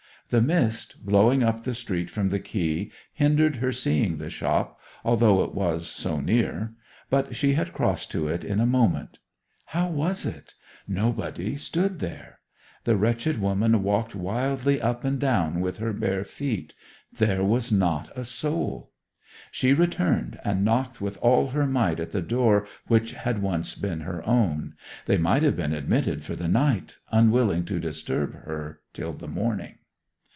The mist, blowing up the street from the Quay, hindered her seeing the shop, although it was so near; but she had crossed to it in a moment. How was it? Nobody stood there. The wretched woman walked wildly up and down with her bare feet—there was not a soul. She returned and knocked with all her might at the door which had once been her own—they might have been admitted for the night, unwilling to disturb her till the morning.